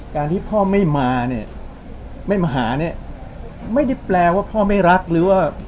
การที่พ่อไม่มาเนี่ยไม่มาหาเนี่ยไม่ได้แปลว่าพ่อไม่รักหรือว่า